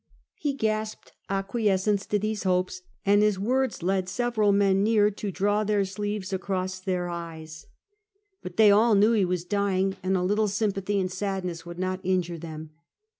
He gasped acquiescence in these hopes, and his words led sevei'al men near to draw their sleeves across their 340 Half a Cemtuet. eyes; but they all knew lie was dying, and a little sympathy and sadness would not injure them.